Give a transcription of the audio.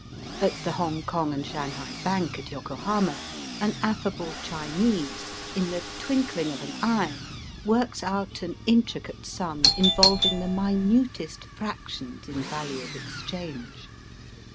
At the Hongkong and Shanghai Bank Digitized by VjOOQIC 218 EAST BY WEST. at Tokohama, an aflfable Chinese, in the twinkling of an eye, works out an intricate sum involving the minutest fractions in value of exchange.